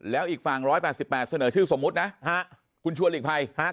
แล้วอีกฝั่ง๑๘๘เสนอชื่อสมมุตินะ